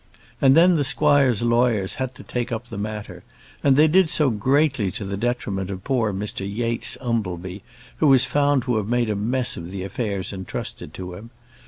And then, the squire's lawyers had to take up the matter; and they did so greatly to the detriment of poor Mr Yates Umbleby, who was found to have made a mess of the affairs entrusted to him.